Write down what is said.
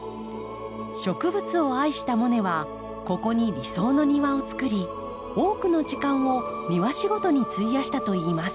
植物を愛したモネはここに理想の庭をつくり多くの時間を庭仕事に費やしたといいます。